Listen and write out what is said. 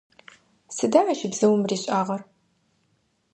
Сыда ащ бзыум ришӏагъэр?